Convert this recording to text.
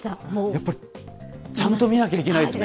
やっぱり、ちゃんと見なきゃいけないですね。